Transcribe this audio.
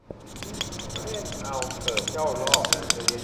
เล่นเอาเถิดเจ้าล่อ